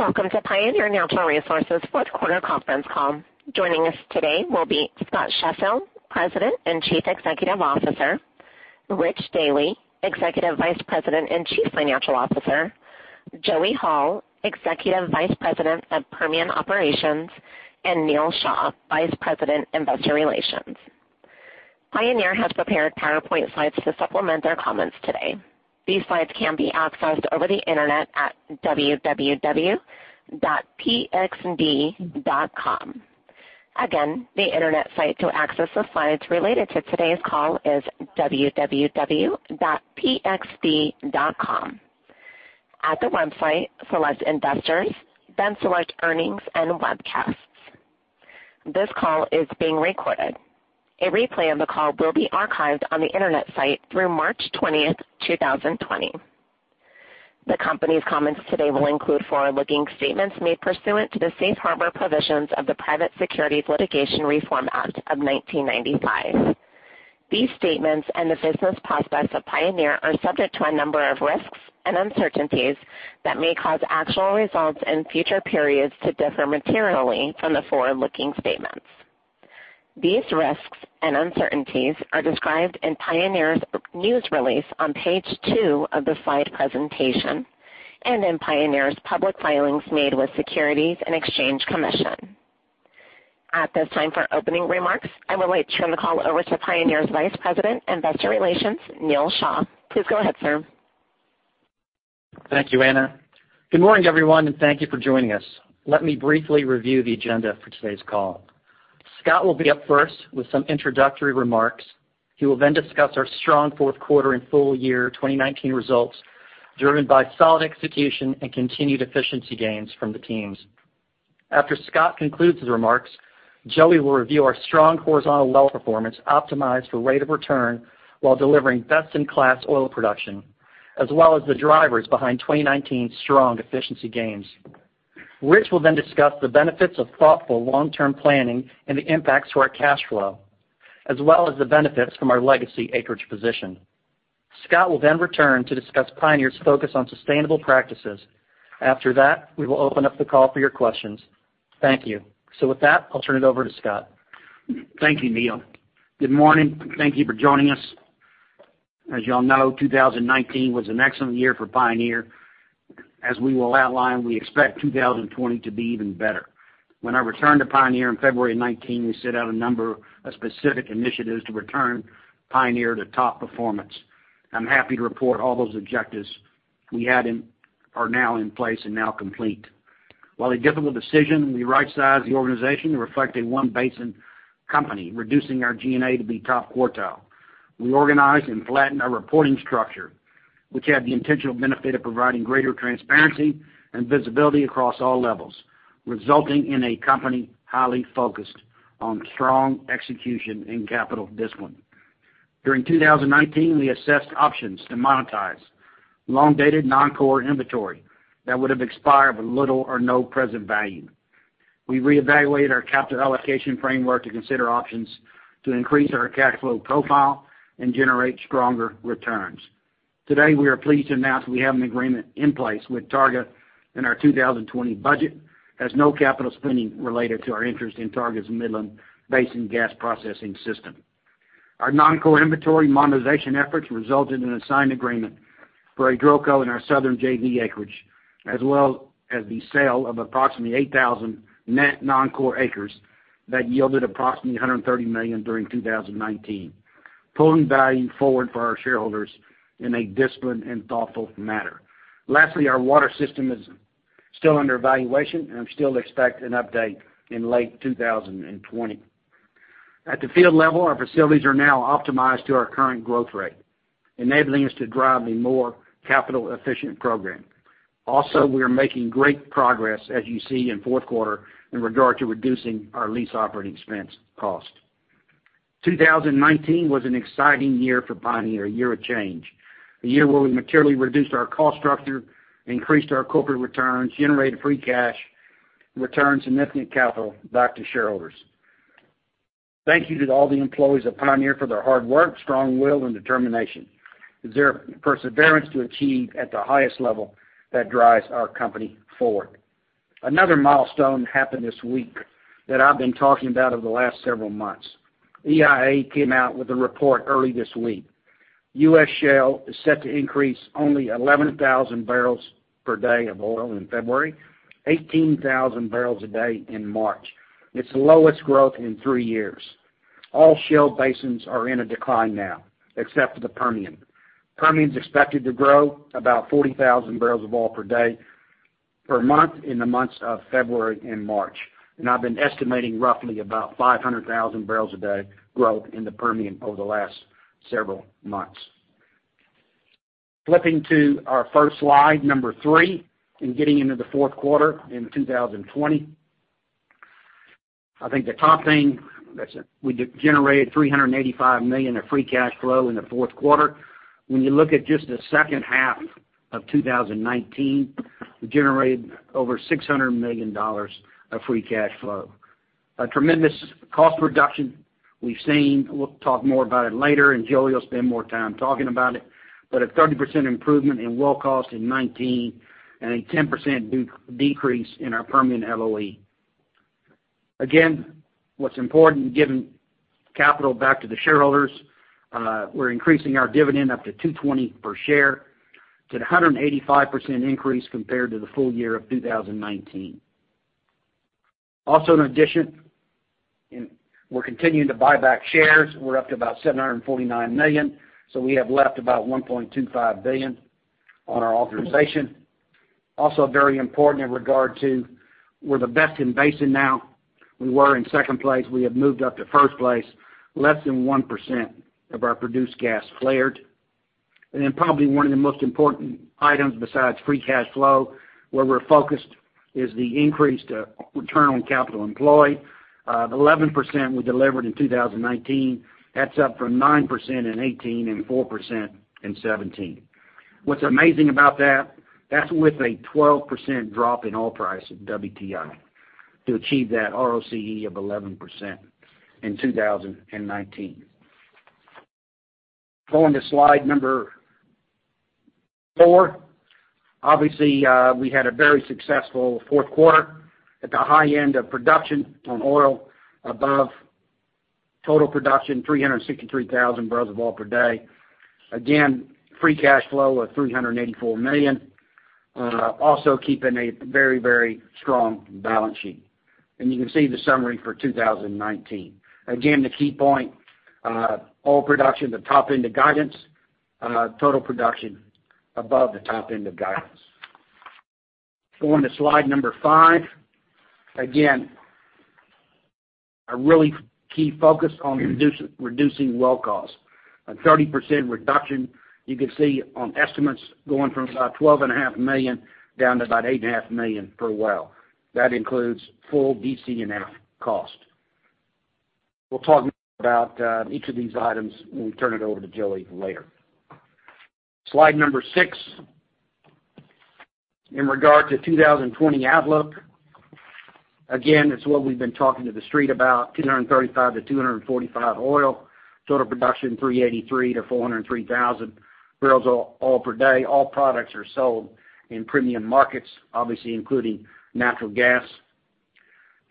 Welcome to Pioneer Natural Resources fourth quarter conference call. Joining us today will be Scott Sheffield, President and Chief Executive Officer, Rich Dealy, Executive Vice President and Chief Financial Officer, Joey Hall, Executive Vice President of Permian Operations, and Neal Shah, Vice President Investor Relations. Pioneer has prepared PowerPoint slides to supplement their comments today. These slides can be accessed over the internet at www.pxd.com. Again, the internet site to access the slides related to today's call is www.pxd.com. At the website, select Investors, then select Earnings and Webcasts. This call is being recorded. A replay of the call will be archived on the internet site through March 20th, 2020. The company's comments today will include forward-looking statements made pursuant to the safe harbor provisions of the Private Securities Litigation Reform Act of 1995. These statements and the business prospects of Pioneer are subject to a number of risks and uncertainties that may cause actual results in future periods to differ materially from the forward-looking statements. These risks and uncertainties are described in Pioneer's news release on page two of the slide presentation, and in Pioneer's public filings made with Securities and Exchange Commission. At this time for opening remarks, I will turn the call over to Pioneer's Vice President, Investor Relations, Neal Shah. Please go ahead, sir. Thank you, Anna. Good morning, everyone, and thank you for joining us. Let me briefly review the agenda for today's call. Scott will be up first with some introductory remarks. He will then discuss our strong fourth quarter and full-year 2019 results, driven by solid execution and continued efficiency gains from the teams. After Scott concludes his remarks, Joey will review our strong horizontal well performance optimized for rate of return while delivering best-in-class oil production, as well as the drivers behind 2019's strong efficiency gains. Rich will then discuss the benefits of thoughtful long-term planning and the impacts to our cash flow, as well as the benefits from our legacy acreage position. Scott will then return to discuss Pioneer's focus on sustainable practices. After that, we will open up the call for your questions. Thank you. With that, I'll turn it over to Scott. Thank you, Neal. Good morning. Thank you for joining us. As you all know, 2019 was an excellent year for Pioneer. As we will outline, we expect 2020 to be even better. When I returned to Pioneer in February 2019, we set out a number of specific initiatives to return Pioneer to top performance. I'm happy to report all those objectives we had are now in place and now complete. While a difficult decision, we right-sized the organization to reflect a one-basin company, reducing our G&A to be top quartile. We organized and flattened our reporting structure, which had the intentional benefit of providing greater transparency and visibility across all levels, resulting in a company highly focused on strong execution and capital discipline. During 2019, we assessed options to monetize long-dated non-core inventory that would have expired with little or no present value. We reevaluated our capital allocation framework to consider options to increase our cash flow profile and generate stronger returns. Today, we are pleased to announce we have an agreement in place with Targa, and our 2020 budget has no capital spending related to our interest in Targa's Midland Basin gas processing system. Our non-core inventory monetization efforts resulted in a signed agreement for a DrillCo in our southern JV acreage, as well as the sale of approximately 8,000 net non-core acres that yielded approximately $130 million during 2019, pulling value forward for our shareholders in a disciplined and thoughtful manner. Lastly, our water system is still under evaluation, and I still expect an update in late 2020. At the field level, our facilities are now optimized to our current growth rate, enabling us to drive a more capital-efficient program. We are making great progress, as you see in fourth quarter, in regard to reducing our lease operating expense cost. 2019 was an exciting year for Pioneer, a year of change, a year where we materially reduced our cost structure, increased our corporate returns, generated free cash, returned significant capital back to shareholders. Thank you to all the employees of Pioneer for their hard work, strong will, and determination. It's their perseverance to achieve at the highest level that drives our company forward. Another milestone happened this week that I've been talking about over the last several months. EIA came out with a report early this week. U.S. shale is set to increase only 11,000 bpd of oil in February, 18,000 bpd in March. Its lowest growth in three years. All shale basins are in a decline now, except for the Permian. Permian's expected to grow about 40,000 bbl of oil per day, per month in the months of February and March. I've been estimating roughly about 500,000 bbl a day growth in the Permian over the last several months. Flipping to our first slide, number three, and getting into the fourth quarter in 2020. I think the top thing, we generated $385 million of free cash flow in the fourth quarter. When you look at just the second half of 2019, we generated over $600 million of free cash flow. A tremendous cost reduction we've seen. We'll talk more about it later, and Joey will spend more time talking about it. A 30% improvement in well cost in 2019, and a 10% decrease in our permanent LOE. What's important, giving capital back to the shareholders, we're increasing our dividend up to $2.20 per share to the 185% increase compared to the full-year of 2019. In addition, we're continuing to buy back shares. We're up to about $749 million, so we have left about $1.25 billion on our authorization. Very important in regard to we're the best in basin now. We were in second place. We have moved up to first place, less than 1% of our produced gas flared. Probably one of the most important items besides free cash flow, where we're focused is the increased return on capital employed. 11% we delivered in 2019. That's up from 9% in 2018 and 4% in 2017. What's amazing about that's with a 12% drop in oil price at WTI to achieve that ROCE of 11% in 2019. Going to slide number four. Obviously, we had a very successful fourth quarter at the high end of production on oil, above total production 363,000 bbl of oil per day. Free cash flow of $384 million. Also keeping a very, very strong balance sheet. You can see the summary for 2019. The key point, oil production, the top end of guidance, total production above the top end of guidance. Going to slide number five. A really key focus on reducing well cost. A 30% reduction you can see on estimates going from about $12.5 million down to about $8.5 million per well. That includes full DC&F cost. We'll talk about each of these items when we turn it over to Joey later. Slide number six. In regard to 2020 outlook, it's what we've been talking to the street about, 235-245 oil. Total production 383,000 bbl-403,000 bbl of oil per day. All products are sold in premium markets, obviously including natural gas.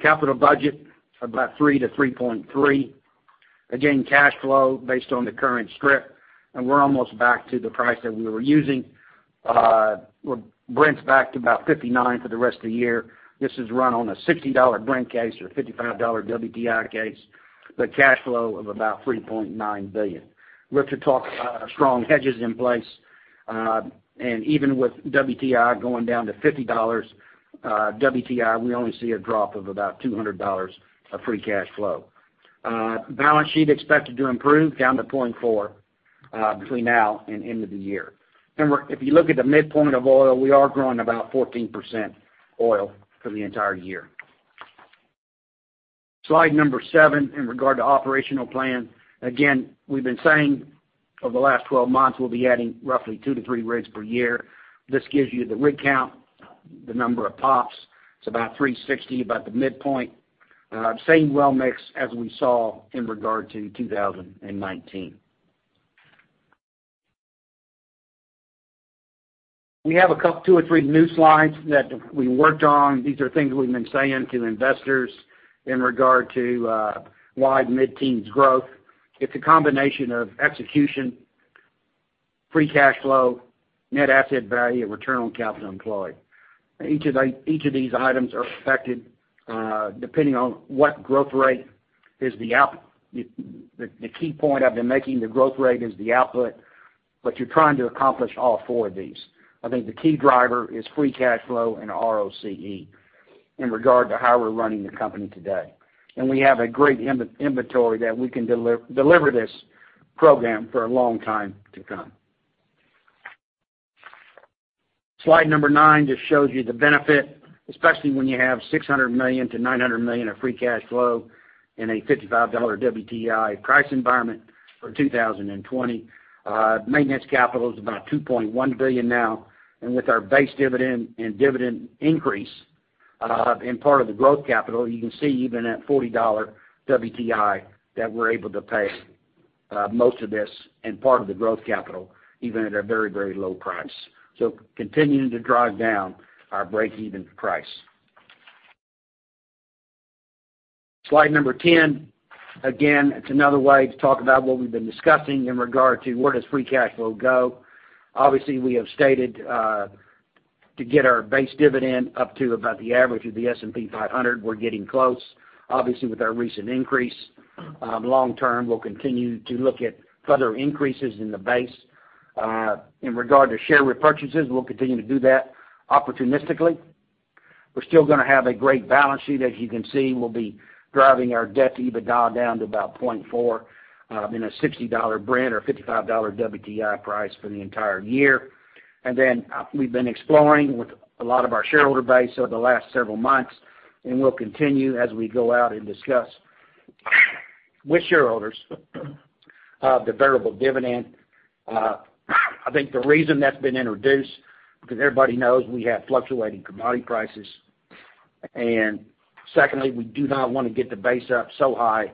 Capital budget, about 3-3.3. Again, cash flow based on the current strip, we're almost back to the price that we were using. Brent's back to about 59 for the rest of the year. This is run on a $60 Brent case or $55 WTI case, cash flow of about $3.9 billion. Rich talked about our strong hedges in place. Even with WTI going down to $50 WTI, we only see a drop of about $200 of free cash flow. Balance sheet expected to improve down to 0.4 between now and end of the year. Remember, if you look at the midpoint of oil, we are growing about 14% oil for the entire year. Slide number seven in regard to operational plan. Again, we've been saying over the last 12 months, we'll be adding roughly 2-3 rigs per year. This gives you the rig count, the number of POPs. It's about 360, about the midpoint. Same well mix as we saw in regard to 2019. We have a couple, two or three new slides that we worked on. These are things we've been saying to investors in regard to wide mid-teens growth. It's a combination of execution, free cash flow, net asset value, and return on capital employed. Each of these items are affected, depending on what growth rate is the output. The key point I've been making, the growth rate is the output, but you're trying to accomplish all four of these. I think the key driver is free cash flow and ROCE in regard to how we're running the company today. We have a great inventory that we can deliver this program for a long time to come. Slide number nine just shows you the benefit, especially when you have $600 million-$900 million of free cash flow in a $55 WTI price environment for 2020. Maintenance capital is about $2.1 billion now. With our base dividend and dividend increase, in part of the growth capital, you can see even at $40 WTI that we're able to pay most of this and part of the growth capital even at a very, very low price. Continuing to drive down our breakeven price. Slide number 10. Again, it's another way to talk about what we've been discussing in regard to where does free cash flow go. Obviously, we have stated to get our base dividend up to about the average of the S&P 500. We're getting close. Obviously, with our recent increase. Long term, we'll continue to look at further increases in the base. In regard to share repurchases, we'll continue to do that opportunistically. We're still going to have a great balance sheet, as you can see. We'll be driving our debt to EBITDA down to about 0.4 in a $60 Brent or $55 WTI price for the entire year. We've been exploring with a lot of our shareholder base over the last several months, and we'll continue as we go out and discuss with shareholders, the variable dividend. I think the reason that's been introduced, because everybody knows we have fluctuating commodity prices, and secondly, we do not want to get the base up so high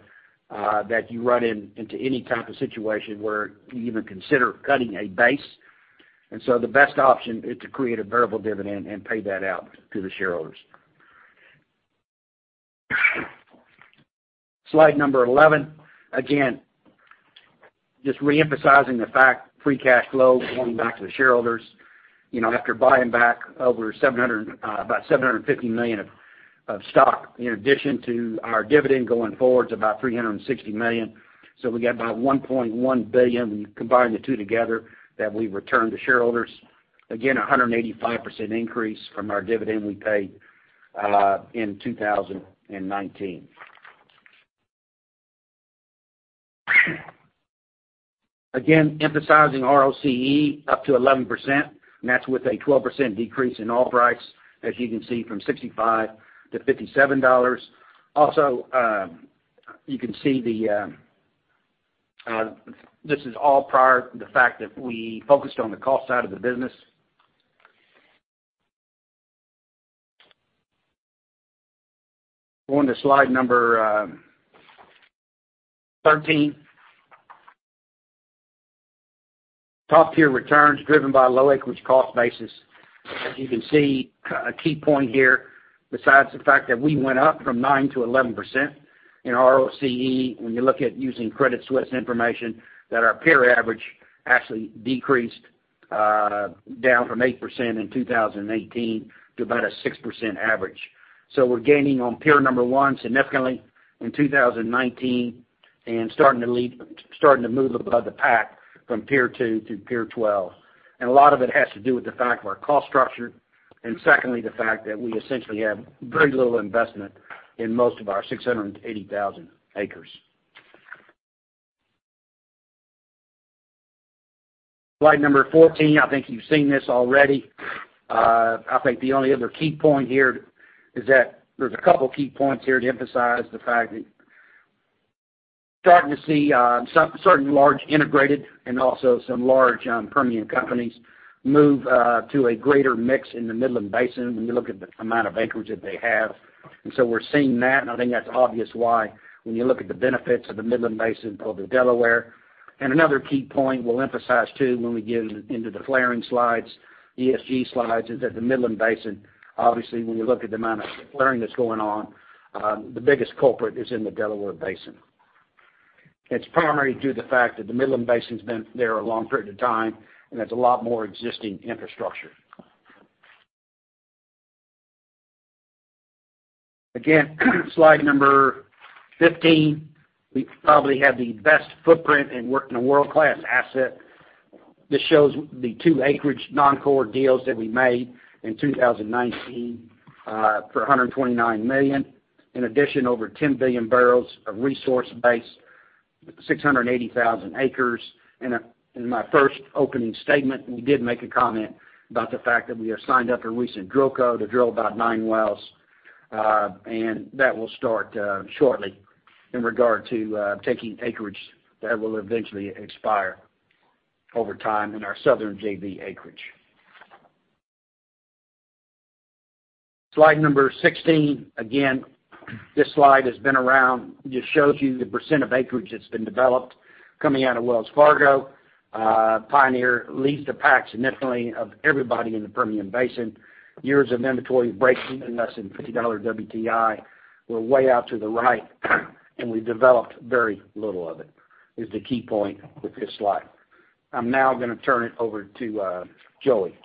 that you run into any type of situation where you even consider cutting a base. The best option is to create a variable dividend and pay that out to the shareholders. Slide number 11. Just reemphasizing the fact free cash flow going back to the shareholders after buying back over about $750 million of stock, in addition to our dividend going forward to about $360 million. We got about $1.1 billion, when you combine the two together, that we return to shareholders. 185% increase from our dividend we paid in 2019. Emphasizing ROCE up to 11%, and that's with a 12% decrease in oil price, as you can see, from $65-$57. You can see this is all prior to the fact that we focused on the cost side of the business. Going to slide number 13. Top-tier returns driven by low acreage cost basis. As you can see, a key point here, besides the fact that we went up from 9%-11% in ROCE, when you look at using Credit Suisse information, that our peer average actually decreased down from 8% in 2018 to about a 6% average. We're gaining on peer number one significantly in 2019, and starting to move above the pack from peer two through peer 12. A lot of it has to do with the fact of our cost structure, and secondly, the fact that we essentially have very little investment in most of our 680,000 acres. Slide number 14. I think you've seen this already. I think the only other key point here is that there's a couple key points here to emphasize the fact that starting to see certain large integrated and also some large Permian companies move to a greater mix in the Midland Basin when you look at the amount of acreage that they have. We're seeing that, and I think that's obvious why when you look at the benefits of the Midland Basin over Delaware. Another key point we'll emphasize too when we get into the flaring slides, ESG slides, is that the Midland Basin, obviously when you look at the amount of flaring that's going on, the biggest culprit is in the Delaware Basin. It's primary to the fact that the Midland Basin's been there a long period of time, and there's a lot more existing infrastructure. Again, slide number 15. We probably have the best footprint and work in a world-class asset. This shows the two acreage non-core deals that we made in 2019 for $129 million. In addition, over 10 billion barrels of resource base, 680,000 acres. In my first opening statement, we did make a comment about the fact that we have signed up a recent DrillCo to drill about nine wells. That will start shortly in regard to taking acreage that will eventually expire over time in our southern JV acreage. Slide number 16. Again, this slide has been around. It just shows you the %percentageof acreage that's been developed coming out of Wells Fargo. Pioneer leads the pack significantly of everybody in the Permian Basin. Years of inventory breaking unless than $50 WTI. We're way out to the right, and we've developed very little of it, is the key point with this slide. I'm now going to turn it over to Joey.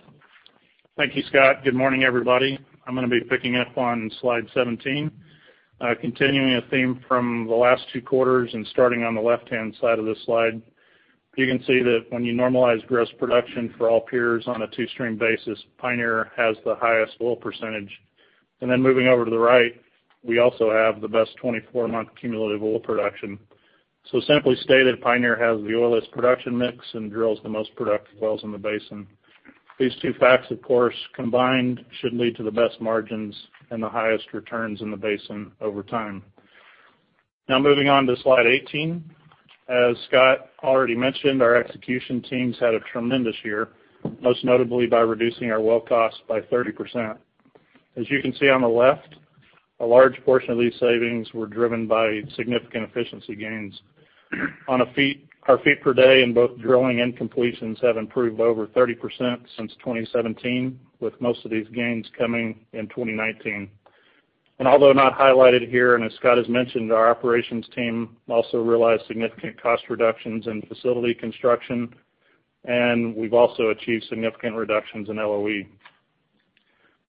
Thank you, Scott. Good morning, everybody. I'm going to be picking up on Slide 17. Continuing a theme from the last two quarters and starting on the left-hand side of this slide. You can see that when you normalize gross production for all peers on a two-stream basis, Pioneer has the highest oil percentage. Moving over to the right, we also have the best 24-month cumulative oil production. Simply stated, Pioneer has the oiliest production mix and drills the most productive wells in the basin. These two facts, of course, combined should lead to the best margins and the highest returns in the basin over time. Moving on to Slide 18. As Scott already mentioned, our execution teams had a tremendous year, most notably by reducing our well cost by 30%. As you can see on the left, a large portion of these savings were driven by significant efficiency gains. Our feet per day in both drilling and completions have improved over 30% since 2017, with most of these gains coming in 2019. Although not highlighted here, and as Scott has mentioned, our operations team also realized significant cost reductions in facility construction, and we've also achieved significant reductions in LOE.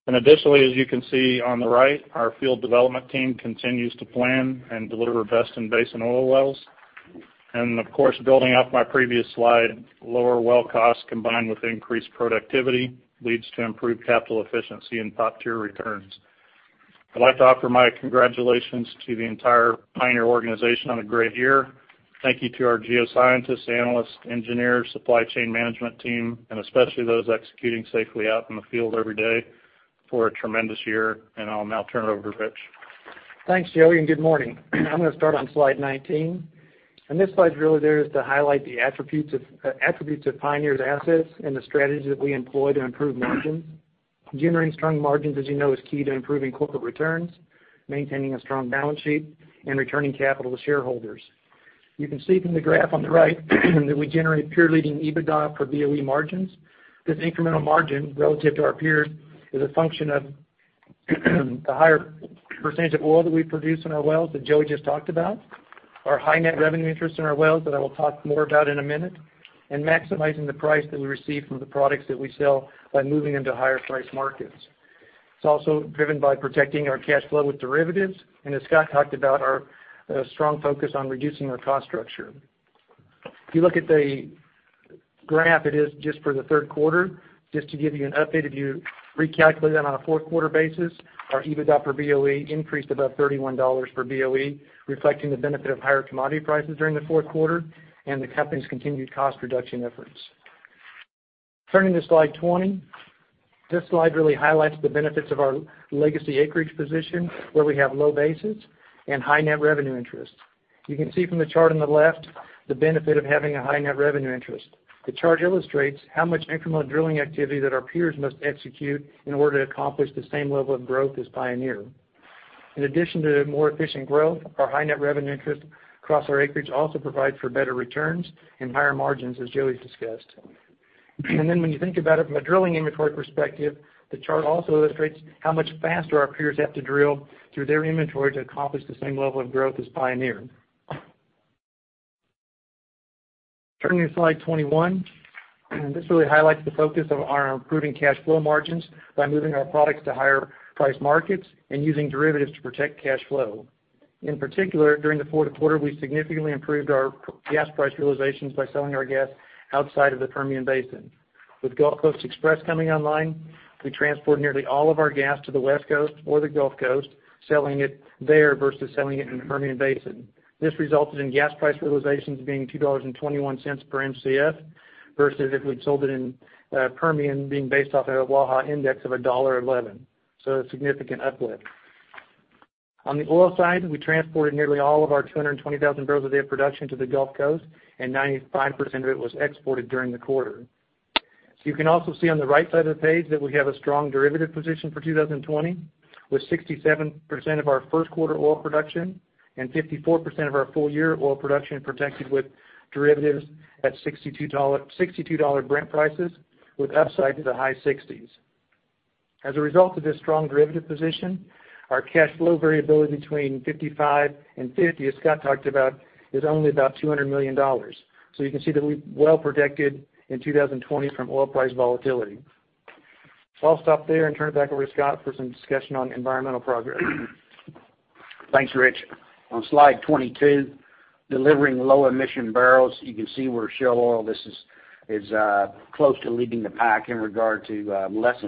Additionally, as you can see on the right, our field development team continues to plan and deliver best-in-basin oil wells. Of course, building off my previous slide, lower well cost combined with increased productivity leads to improved capital efficiency and top-tier returns. I'd like to offer my congratulations to the entire Pioneer organization on a great year. Thank you to our geoscientists, analysts, engineers, supply chain management team, and especially those executing safely out in the field every day for a tremendous year. I'll now turn it over to Rich. Thanks, Joey, and good morning. I'm going to start on Slide 19, and this slide's really there just to highlight the attributes of Pioneer's assets and the strategies that we employ to improve margins. Generating strong margins, as you know, is key to improving corporate returns, maintaining a strong balance sheet, and returning capital to shareholders. You can see from the graph on the right that we generate peer-leading EBITDA for BOE margins. This incremental margin relative to our peers is a function of the higher percentage of oil that we produce in our wells that Joey just talked about, our high net revenue interest in our wells that I will talk more about in a minute, and maximizing the price that we receive from the products that we sell by moving them to higher-priced markets. It's also driven by protecting our cash flow with derivatives and, as Scott talked about, our strong focus on reducing our cost structure. If you look at the graph, it is just for the third quarter. Just to give you an update, if you recalculate that on a fourth-quarter basis, our EBITDA for BOE increased above $31 per BOE, reflecting the benefit of higher commodity prices during the fourth quarter and the company's continued cost reduction efforts. Turning to Slide 20. This slide really highlights the benefits of our legacy acreage position where we have low bases and high net revenue interest. You can see from the chart on the left the benefit of having a high net revenue interest. The chart illustrates how much incremental drilling activity that our peers must execute in order to accomplish the same level of growth as Pioneer. In addition to more efficient growth, our high net revenue interest across our acreage also provides for better returns and higher margins, as Joey discussed. When you think about it from a drilling inventory perspective, the chart also illustrates how much faster our peers have to drill through their inventory to accomplish the same level of growth as Pioneer. Turning to Slide 21. This really highlights the focus of our improving cash flow margins by moving our products to higher-priced markets and using derivatives to protect cash flow. In particular, during the fourth quarter, we significantly improved our gas price realizations by selling our gas outside of the Permian Basin. With Gulf Coast Express coming online, we transport nearly all of our gas to the West Coast or the Gulf Coast, selling it there versus selling it in the Permian Basin. This resulted in gas price realizations being $2.21 per Mcf, versus if we'd sold it in Permian, being based off a Waha index of $1.11. A significant uplift. On the oil side, we transported nearly all of our 220,000 bbl a day of production to the Gulf Coast, and 95% of it was exported during the quarter. You can also see on the right side of the page that we have a strong derivative position for 2020, with 67% of our first quarter oil production and 54% of our full-year oil production protected with derivatives at $62 Brent prices, with upside to the high 60s. As a result of this strong derivative position, our cash flow variability between $55 and $50, as Scott talked about, is only about $200 million. You can see that we're well-protected in 2020 from oil price volatility. I'll stop there and turn it back over to Scott for some discussion on environmental progress. Thanks, Rich. On Slide 22, delivering low-emission barrels. You can see where shale oil is close to leading the pack in regard to less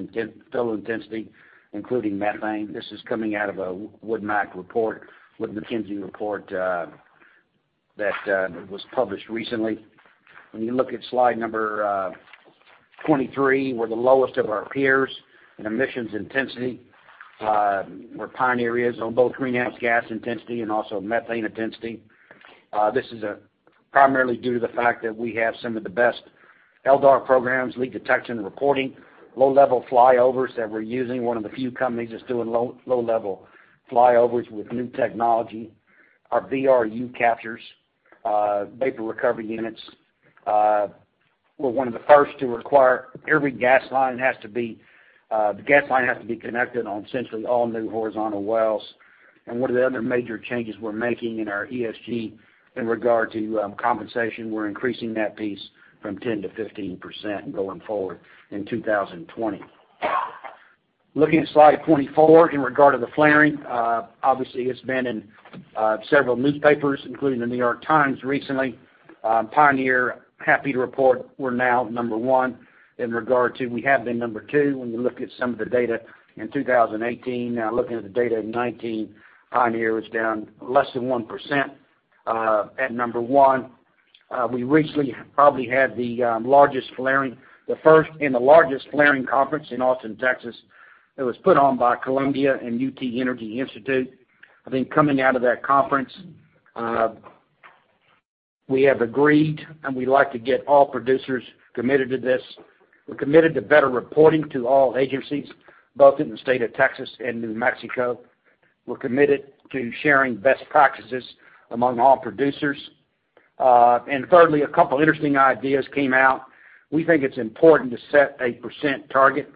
fuel intensity, including methane. This is coming out of a Wood Mac report, Wood Mackenzie report, that was published recently. When you look at slide number 23, we're the lowest of our peers in emissions intensity, where Pioneer is on both greenhouse gas intensity and also methane intensity. This is primarily due to the fact that we have some of the best LDAR programs, leak detection and reporting, low-level flyovers that we're using, one of the few companies that's doing low-level flyovers with new technology. Our VRU captures, vapor recovery units. We're one of the first to require every gas line has to be connected on essentially all new horizontal wells. One of the other major changes we're making in our ESG in regard to compensation, we're increasing that piece from 10%-15% going forward in 2020. Looking at Slide 24 in regard to the flaring. Obviously, it's been in several newspapers, including The New York Times recently. Pioneer, happy to report we're now number one. We have been number two when you look at some of the data in 2018. Now looking at the data in 2019, Pioneer was down less than 1% at number one. We recently probably had the first and the largest flaring conference in Austin, Texas. It was put on by Columbia and UT Energy Institute. I think coming out of that conference, we have agreed, and we'd like to get all producers committed to this. We're committed to better reporting to all agencies, both in the state of Texas and New Mexico. We're committed to sharing best practices among all producers. Thirdly, a couple interesting ideas came out. We think it's important to set a percent target,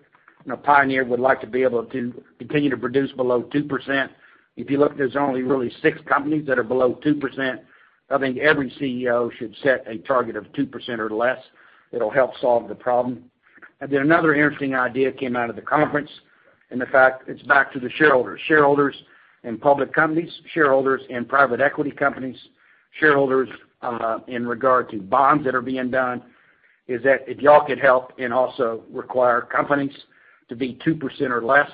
and Pioneer would like to be able to continue to produce below 2%. If you look, there's only really six companies that are below 2%. I think every CEO should set a target of 2% or less. It'll help solve the problem. Another interesting idea came out of the conference, and in fact, it's back to the shareholders. Shareholders in public companies, shareholders in private equity companies, shareholders in regard to bonds that are being done, is that if you all could help and also require companies to be 2% or less.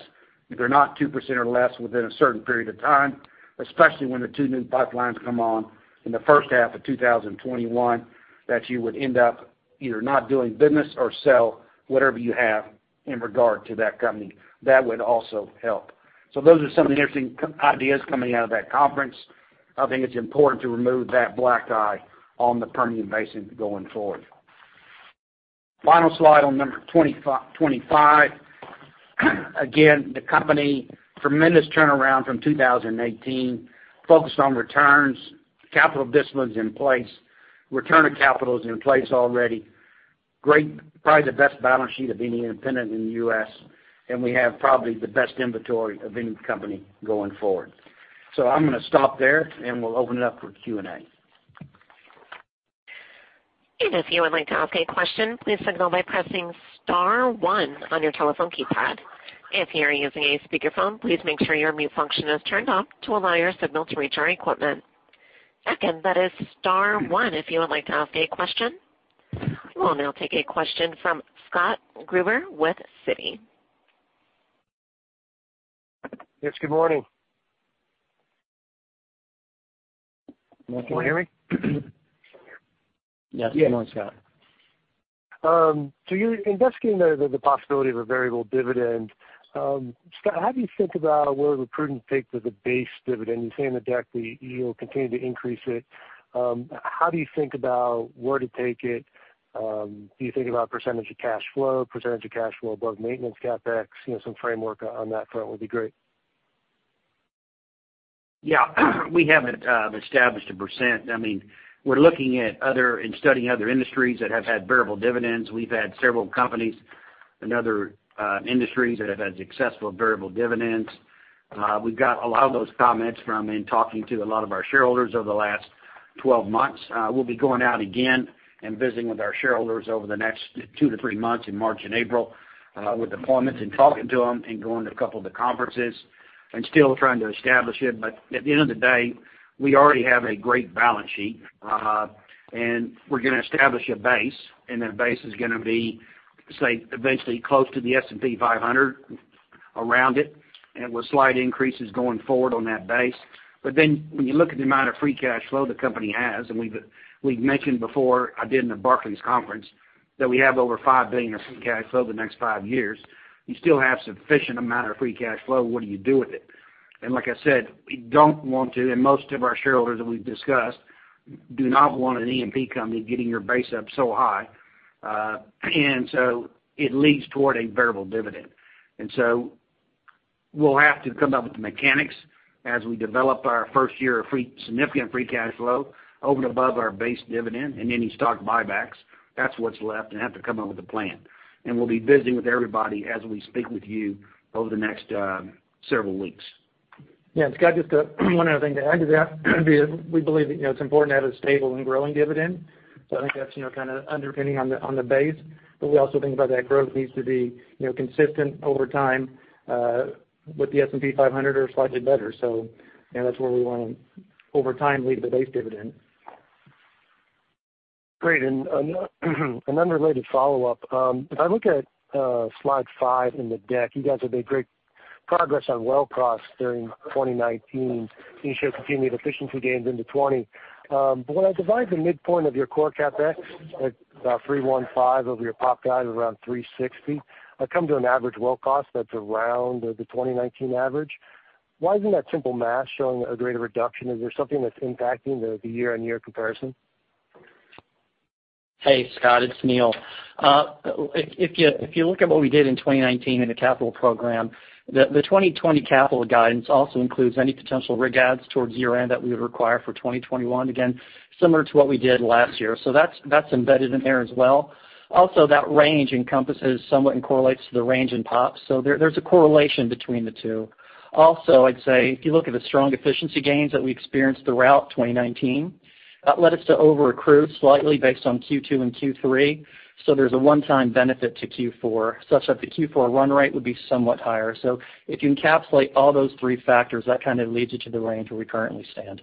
If they're not 2% or less within a certain period of time, especially when the two new pipelines come on in the first half of 2021, that you would end up either not doing business or sell whatever you have in regard to that company. That would also help. Those are some interesting ideas coming out of that conference. I think it's important to remove that black eye on the Permian Basin going forward. Final slide on number 25. Again, the company, tremendous turnaround from 2018. Focused on returns. Capital discipline's in place. Return of capital is in place already. Probably the best balance sheet of any independent in the U.S., and we have probably the best inventory of any company going forward. I'm going to stop there, and we'll open it up for Q&A. If you would like to ask a question, please signal by pressing star one on your telephone keypad. If you are using a speakerphone, please make sure your mute function is turned off to allow your signal to reach our equipment. Again, that is star one if you would like to ask a question. We will now take a question from Scott Gruber with Citi. Yes. Good morning. Can you hear me? Yes. Good morning, Scott. You're investigating the possibility of a variable dividend. Scott, how do you think about where the prudent take for the base dividend? You say in the deck that you'll continue to increase it. How do you think about where to take it? Do you think about percentage of cash flow? Percentage of cash flow above maintenance CapEx? Some framework on that front would be great. We haven't established a percent. We're looking at other, and studying other industries that have had variable dividends. We've had several companies in other industries that have had successful variable dividends. We've got a lot of those comments from in talking to a lot of our shareholders over the last 12 months. We'll be going out again and visiting with our shareholders over the next 2-3 months in March and April, with appointments and talking to them and going to a couple of the conferences and still trying to establish it. At the end of the day, we already have a great balance sheet. We're going to establish a base, and that base is going to be, say, eventually close to the S&P 500, around it, and with slight increases going forward on that base. When you look at the amount of free cash flow the company has, and we've mentioned before, I did in the Barclays conference, that we have over $5 billion of free cash flow the next five years. You still have sufficient amount of free cash flow. What do you do with it? Like I said, we don't want to, and most of our shareholders that we've discussed do not want an E&P company getting your base up so high. It leads toward a variable dividend. We'll have to come up with the mechanics as we develop our first year of significant free cash flow over and above our base dividend and any stock buybacks. That's what's left, and have to come up with a plan. We'll be visiting with everybody as we speak with you over the next several weeks. Yeah. Scott, just one other thing to add to that. We believe that it's important to have a stable and growing dividend. I think that's underpinning on the base. We also think about that growth needs to be consistent over time, with the S&P 500 or slightly better. That's where we want to, over time, leave the base dividend. Great. An unrelated follow-up. If I look at slide five in the deck, you guys have made great progress on well costs during 2019, and you should continue the efficiency gains into 2020. When I divide the midpoint of your core CapEx at about $315 over your POP guide of around $360, I come to an average well cost that's around the 2019 average. Why isn't that simple math showing a greater reduction? Is there something that's impacting the year-on-year comparison? Hey, Scott, it's Neal. If you look at what we did in 2019 in the capital program, the 2020 capital guidance also includes any potential rig adds towards year-end that we would require for 2021, again, similar to what we did last year. That's embedded in there as well. That range encompasses somewhat and correlates to the range in POP. There's a correlation between the two. I'd say if you look at the strong efficiency gains that we experienced throughout 2019, that led us to over-accrue slightly based on Q2 and Q3. There's a one-time benefit to Q4, such that the Q4 run rate would be somewhat higher. If you encapsulate all those three factors, that leads you to the range where we currently stand.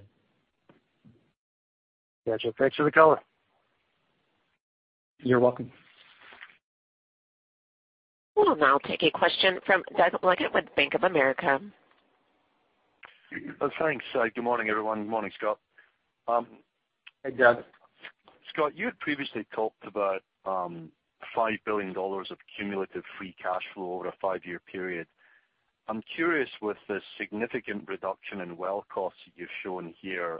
Gotcha. Thanks for the color. You're welcome. We'll now take a question from Doug Leggate with Bank of America. Thanks. Good morning, everyone. Good morning, Scott. Hey, Doug. Scott, you had previously talked about $5 billion of cumulative free cash flow over a five-year period. I'm curious with the significant reduction in well costs that you've shown here,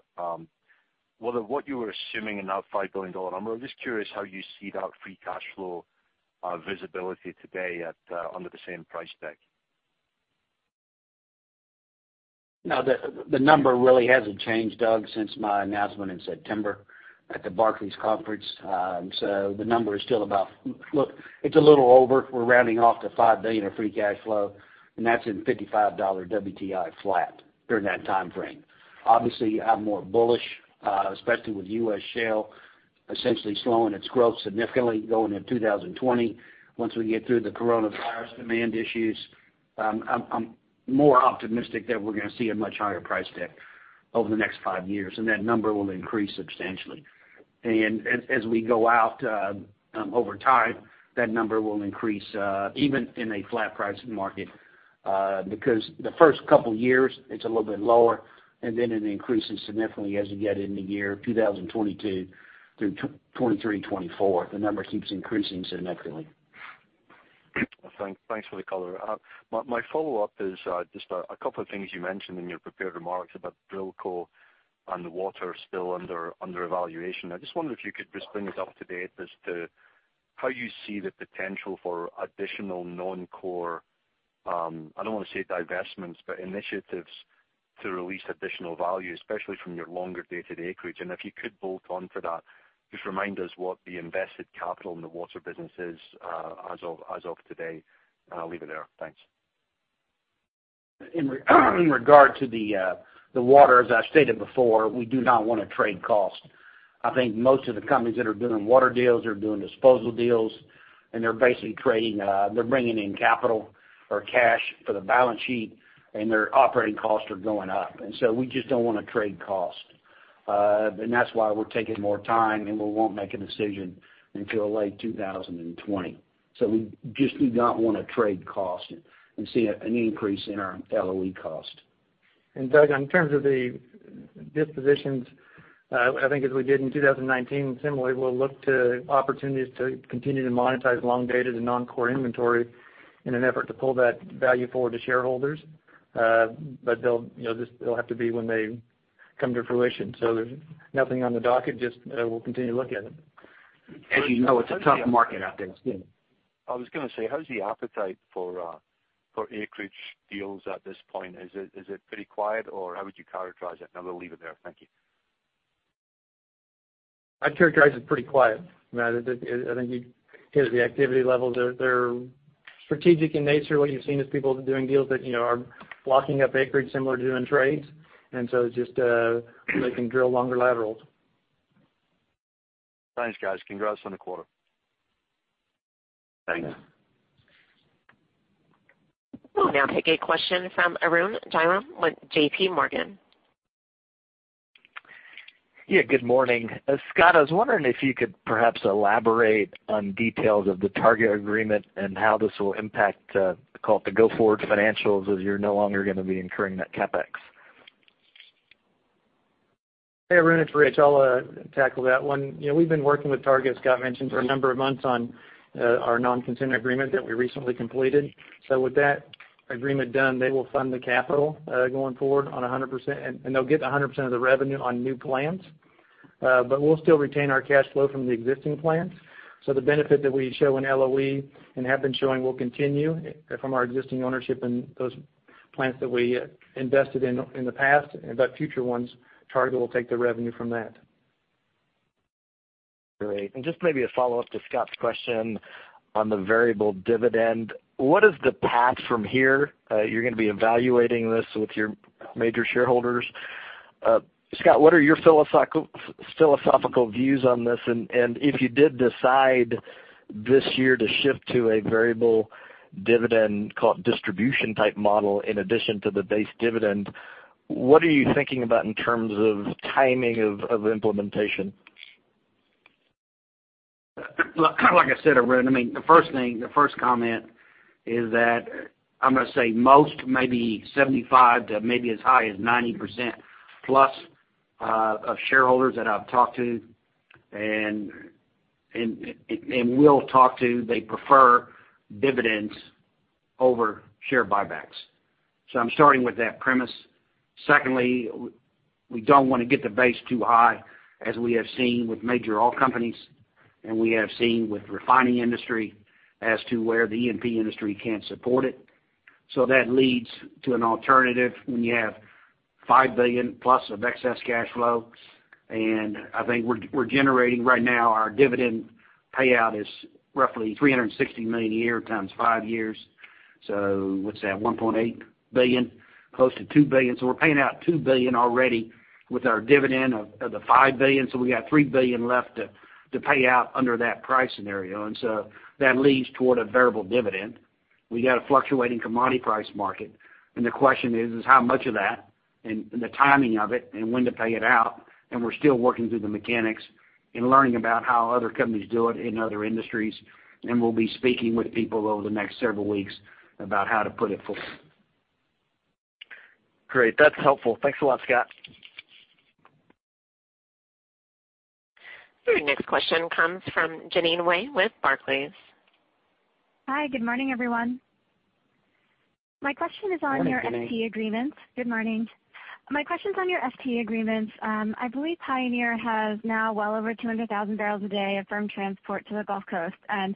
what you were assuming in that $5 billion number. I'm just curious how you see that free cash flow visibility today under the same price deck. No, the number really hasn't changed, Doug, since my announcement in September at the Barclays conference. The number is still about, look, it's a little over. We're rounding off to $5 billion of free cash flow, and that's in $55 WTI flat during that timeframe. Obviously, I'm more bullish, especially with U.S. shale essentially slowing its growth significantly going into 2020. Once we get through the coronavirus demand issues, I'm more optimistic that we're going to see a much higher price deck. Over the next five years, and that number will increase substantially. As we go out over time, that number will increase even in a flat price market, because the first couple years it's a little bit lower, and then it increases significantly as you get into year 2022 through 2023, 2024. The number keeps increasing significantly. Thanks for the color. My follow-up is just a couple of things you mentioned in your prepared remarks about DrillCo and the water still under evaluation. I just wonder if you could just bring us up to date as to how you see the potential for additional non-core, I don't want to say divestments, but initiatives to release additional value, especially from your longer-dated acreage. If you could bolt on for that, just remind us what the invested capital in the water business is as of today. I'll leave it there. Thanks. In regard to the water, as I stated before, we do not want to trade cost. I think most of the companies that are doing water deals are doing disposal deals, and they're basically bringing in capital or cash for the balance sheet, and their operating costs are going up. We just don't want to trade cost. That's why we're taking more time, and we won't make a decision until late 2020. We just do not want to trade cost and see an increase in our LOE cost. Doug, in terms of the dispositions, I think as we did in 2019, similarly, we'll look to opportunities to continue to monetize long-dated and non-core inventory in an effort to pull that value forward to shareholders. This will have to be when they come to fruition. There's nothing on the docket, just we'll continue to look at it. As you know, it's a tough market out there. I was going to say, how's the appetite for acreage deals at this point? Is it pretty quiet, or how would you characterize it? I will leave it there. Thank you. I'd characterize it pretty quiet. I think the activity levels are strategic in nature. What you've seen is people doing deals that are blocking up acreage similar to doing trades, just so they can drill longer laterals. Thanks, guys. Congrats on the quarter. Thanks. We'll now take a question from Arun Jayaram with JPMorgan. Good morning. Scott, I was wondering if you could perhaps elaborate on details of the Targa agreement and how this will impact the go-forward financials, as you're no longer going to be incurring that CapEx. Arun, it's Rich. I'll tackle that one. We've been working with Targa, as Scott mentioned, for a number of months on our non-compete agreement that we recently completed. With that agreement done, they will fund the capital going forward on 100%, and they'll get 100% of the revenue on new plants. We'll still retain our cash flow from the existing plants. The benefit that we show in LOE and have been showing will continue from our existing ownership and those plants that we invested in in the past. Future ones, Targa will take the revenue from that. Great. Just maybe a follow-up to Scott's question on the variable dividend. What is the path from here? You're going to be evaluating this with your major shareholders. Scott, what are your philosophical views on this? If you did decide this year to shift to a variable dividend distribution type model in addition to the base dividend, what are you thinking about in terms of timing of implementation? Like I said, Arun, the first thing, the first comment is that I'm going to say most, maybe 75% to maybe as high as 90%+ of shareholders that I've talked to and will talk to, they prefer dividends over share buybacks. I'm starting with that premise. Secondly, we don't want to get the base too high, as we have seen with major oil companies and we have seen with the refining industry as to where the E&P industry can't support it. That leads to an alternative when you have $5 billion+ of excess cash flow, and I think we're generating right now, our dividend payout is roughly $360 million a year times five years. What's that? $1.8 billion, close to $2 billion. We're paying out $2 billion already with our dividend of the $5 billion. We got $3 billion left to pay out under that price scenario. That leads toward a variable dividend. We got a fluctuating commodity price market, the question is how much of that and the timing of it and when to pay it out, we're still working through the mechanics and learning about how other companies do it in other industries. We'll be speaking with people over the next several weeks about how to put it forth. Great. That's helpful. Thanks a lot, Scott. Your next question comes from Jeanine Wai with Barclays. Hi. Good morning, everyone. Good morning, Jeanine. Good morning. My question's on your FT agreements. I believe Pioneer has now well over 200,000 bbl a day of firm transport to the Gulf Coast. I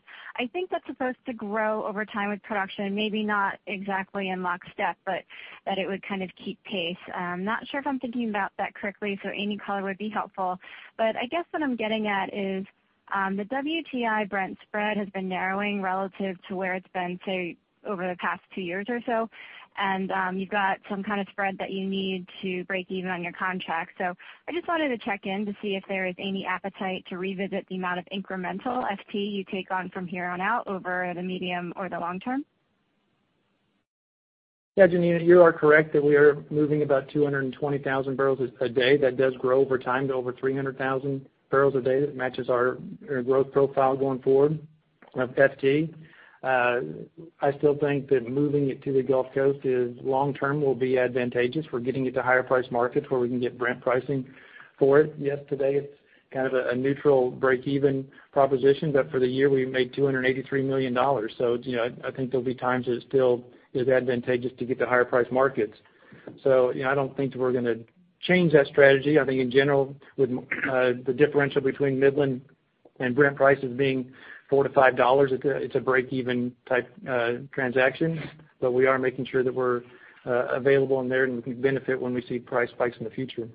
think that's supposed to grow over time with production, maybe not exactly in lockstep, but that it would kind of keep pace. I'm not sure if I'm thinking about that correctly. Any color would be helpful. I guess what I'm getting at is the WTI Brent spread has been narrowing relative to where it's been, say, over the past two years or so. You've got some kind of spread that you need to break even on your contract. I just wanted to check in to see if there is any appetite to revisit the amount of incremental FT you take on from here on out over the medium or the long-term. Yeah, Jeanine, you are correct that we are moving about 220,000 bbl a day. That does grow over time to over 300,000 bbl a day. That matches our growth profile going forward of FT. I still think that moving it to the Gulf Coast long-term will be advantageous. We're getting it to higher priced markets where we can get Brent pricing for it. Yes, today it's kind of a neutral breakeven proposition. For the year, we made $283 million. I think there'll be times that it still is advantageous to get to higher priced markets. I don't think that we're going to change that strategy. I think in general, with the differential between Midland and Brent prices being $4-$5, it's a breakeven type transaction. We are making sure that we're available in there, and we can benefit when we see price spikes in the future.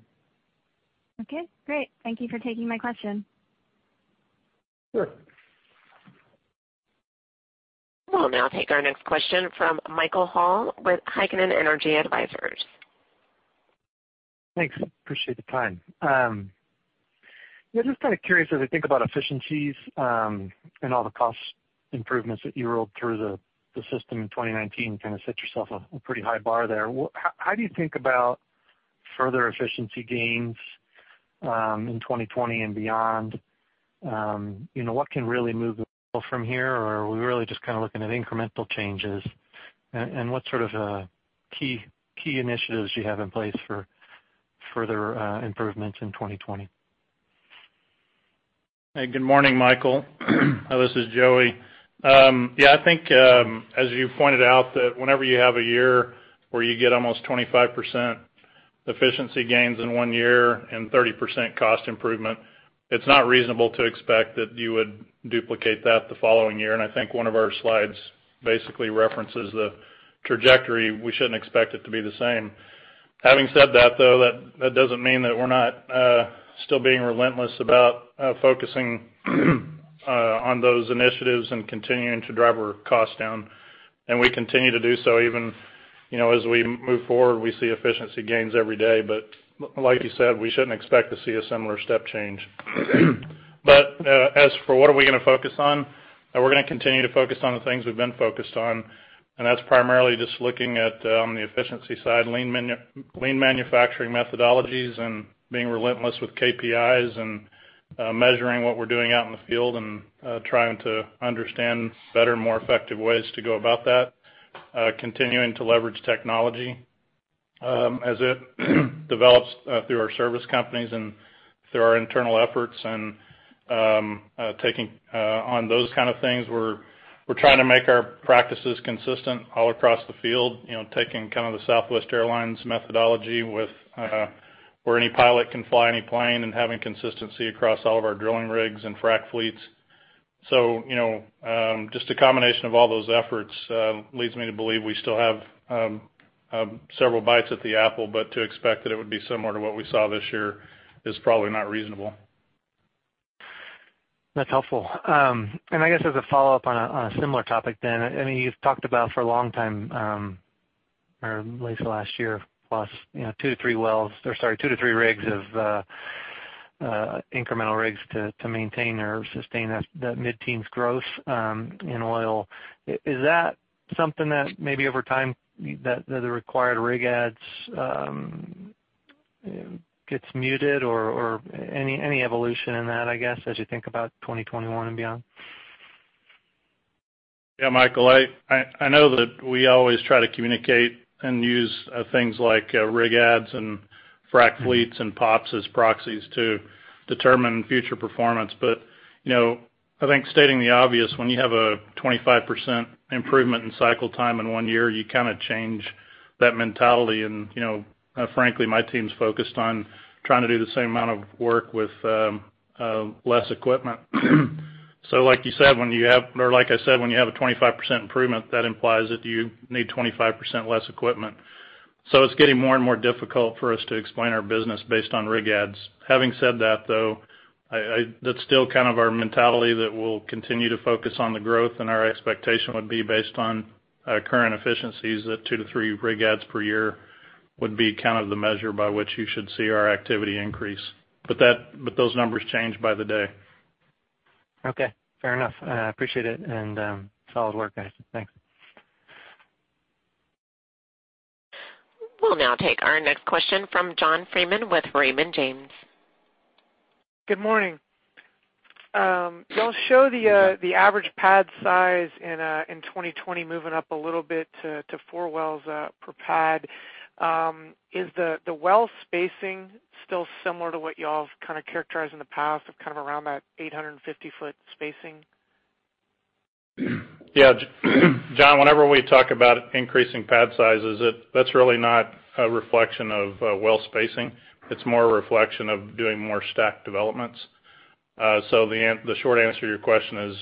Okay, great. Thank you for taking my question. Sure. We'll now take our next question from Michael Hall with Heikkinen Energy Advisors. Thanks. Appreciate the time. Yeah, just kind of curious as I think about efficiencies, and all the cost improvements that you rolled through the system in 2019, kind of set yourself a pretty high bar there. How do you think about further efficiency gains, in 2020 and beyond? What can really move the needle from here, or are we really just kind of looking at incremental changes? What sort of key initiatives do you have in place for further improvements in 2020? Hey, good morning, Michael. This is Joey. Yeah, I think, as you pointed out, that whenever you have a year where you get almost 25% efficiency gains in one year and 30% cost improvement, it's not reasonable to expect that you would duplicate that the following year. I think one of our slides basically references the trajectory. We shouldn't expect it to be the same. Having said that, though, that doesn't mean that we're not still being relentless about focusing on those initiatives and continuing to drive our costs down. We continue to do so even as we move forward. We see efficiency gains every day. Like you said, we shouldn't expect to see a similar step change. As for what are we going to focus on, we're going to continue to focus on the things we've been focused on, and that's primarily just looking at the efficiency side, lean manufacturing methodologies, and being relentless with KPIs and measuring what we're doing out in the field and trying to understand better, more effective ways to go about that. Continuing to leverage technology as it develops through our service companies and through our internal efforts and taking on those kind of things. We're trying to make our practices consistent all across the field, taking kind of the Southwest Airlines methodology where any pilot can fly any plane and having consistency across all of our drilling rigs and frack fleets. Just a combination of all those efforts leads me to believe we still have several bites at the apple. To expect that it would be similar to what we saw this year is probably not reasonable. That's helpful. I guess as a follow-up on a similar topic, you've talked about for a long time, or at least the last year-plus, two to three rigs of incremental rigs to maintain or sustain that mid-teens growth in oil. Is that something that maybe over time, that the required rig adds gets muted or any evolution in that, I guess, as you think about 2021 and beyond? Yeah, Michael, I know that we always try to communicate and use things like rig adds and frack fleets and POPs as proxies to determine future performance. I think stating the obvious, when you have a 25% improvement in cycle time in one year, you kind of change that mentality. Frankly, my team's focused on trying to do the same amount of work with less equipment. Like I said, when you have a 25% improvement, that implies that you need 25% less equipment. It's getting more and more difficult for us to explain our business based on rig adds. Having said that, though, that's still kind of our mentality, that we'll continue to focus on the growth, and our expectation would be based on current efficiencies, that 2-3 rig adds per year would be kind of the measure by which you should see our activity increase. Those numbers change by the day. Okay, fair enough. I appreciate it, and solid work, guys. Thanks. We'll now take our next question from John Freeman with Raymond James. Good morning. You all show the average pad size in 2020 moving up a little bit to four wells per pad. Is the well spacing still similar to what you all kind of characterized in the past of kind of around that 850-foot spacing? Yeah, John, whenever we talk about increasing pad sizes, that's really not a reflection of well spacing. It's more a reflection of doing more stacked developments. The short answer to your question is,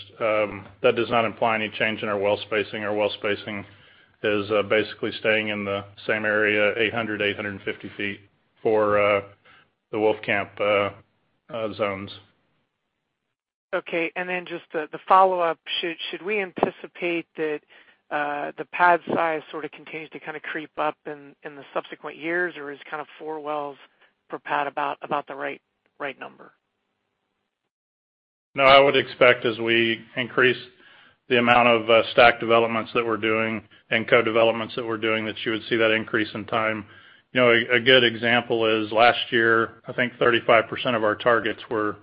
that does not imply any change in our well spacing. Our well spacing is basically staying in the same area, 800, 850 feet for the Wolfcamp zones. Okay, just the follow-up, should we anticipate that the pad size sort of continues to kind of creep up in the subsequent years, or is kind of four wells per pad about the right number? No, I would expect as we increase the amount of stack developments that we're doing and co-developments that we're doing, that you would see that increase in time. A good example is last year, I think 35% of our targets were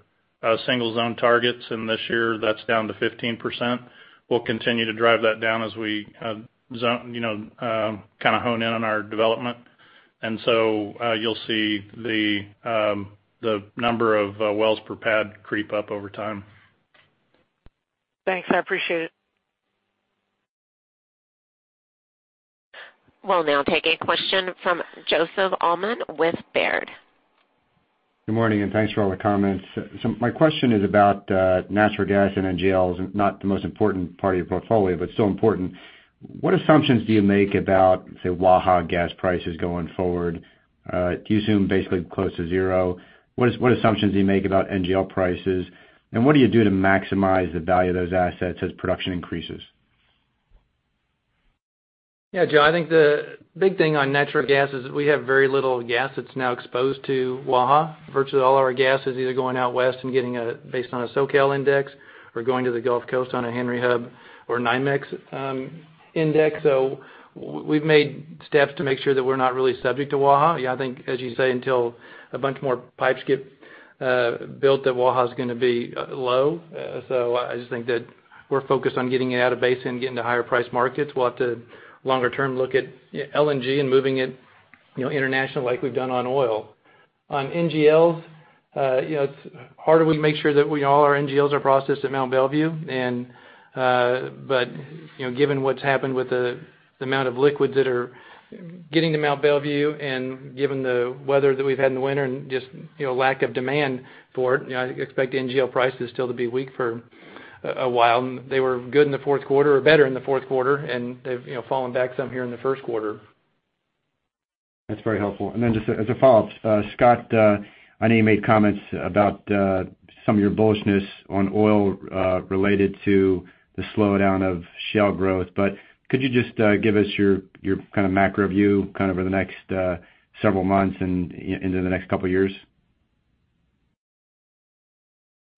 single-zone targets, and this year that's down to 15%. We'll continue to drive that down as we kind of hone in on our development. You'll see the number of wells per pad creep up over time. Thanks. I appreciate it. We'll now take a question from Joseph Allman with Baird. Good morning, and thanks for all the comments. My question is about natural gas and NGLs, not the most important part of your portfolio, but still important. What assumptions do you make about, say, Waha gas prices going forward? Do you assume basically close to zero? What assumptions do you make about NGL prices, and what do you do to maximize the value of those assets as production increases? Yeah, Joe, I think the big thing on natural gas is we have very little gas that's now exposed to Waha. Virtually all our gas is either going out west and getting based on a SoCal index or going to the Gulf Coast on a Henry Hub or NYMEX index. We've made steps to make sure that we're not really subject to Waha. Yeah, I think, as you say, until a bunch more pipes get built, that Waha's going to be low. I just think that we're focused on getting it out of basin, getting to higher priced markets. We'll have to longer term look at LNG and moving it international like we've done on oil. On NGLs, it's harder. We make sure that all our NGLs are processed at Mont Belvieu. Given what's happened with the amount of liquids that are getting to Mont Belvieu and given the weather that we've had in the winter and just lack of demand for it, I expect NGL prices still to be weak for a while. They were good in the fourth quarter, or better in the fourth quarter, and they've fallen back some here in the first quarter. That's very helpful. Then just as a follow-up, Scott, I know you made comments about some of your bullishness on oil, related to the slowdown of shale growth. Could you just give us your kind of macro view over the next several months and into the next couple of years?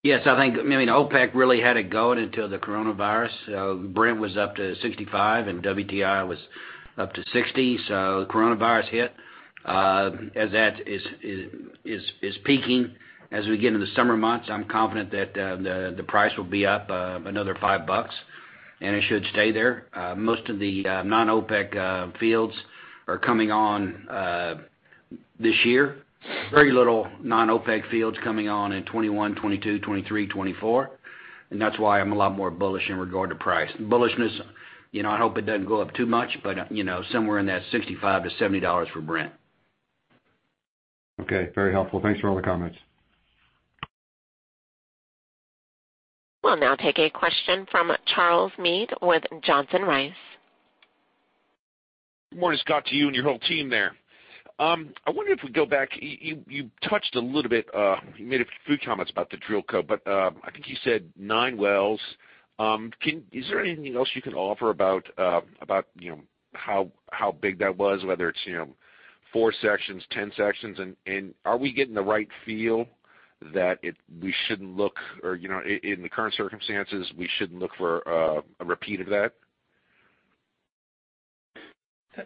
Yes, I think, OPEC really had it going until the coronavirus. Brent was up to $65 and WTI was up to $60. The coronavirus hit. As that is peaking as we get into the summer months, I'm confident that the price will be up another five bucks, and it should stay there. Most of the non-OPEC fields are coming on this year. Very little non-OPEC fields coming on in 2021, 2022, 2023, 2024. That's why I'm a lot more bullish in regard to price. Bullishness, I hope it doesn't go up too much, but somewhere in that $65-$70 for Brent. Okay. Very helpful. Thanks for all the comments. We'll now take a question from Charles Meade with Johnson Rice. Good morning, Scott, to you and your whole team there. I wonder if we go back, you made a few comments about the DrillCo, but I think you said nine wells. Is there anything else you can offer about how big that was, whether it's four sections, 10 sections, and are we getting the right feel that in the current circumstances, we shouldn't look for a repeat of that?